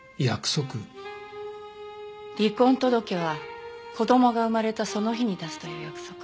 離婚届は子供が生まれたその日に出すという約束。